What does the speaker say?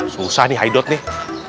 susah nih haidot nih